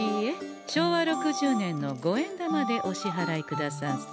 昭和６０年の五円玉でお支払いくださんせ。